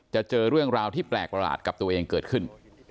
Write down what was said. เจอเรื่องราวที่แปลกประหลาดกับตัวเองเกิดขึ้น